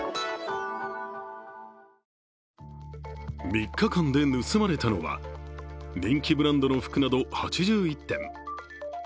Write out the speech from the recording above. ３日間で盗まれたのは人気ブランドの服など８１点。